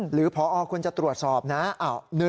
พอควรจะตรวจสอบนะ